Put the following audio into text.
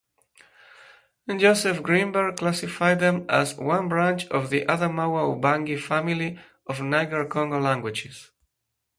Joseph Greenberg classified them as one branch of the Adamawa-Ubangi family of Niger-Congo languages.